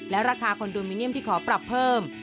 ราคาคอนโดมิเนียมที่ขอปรับเพิ่ม